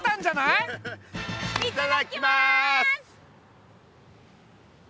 いただきます！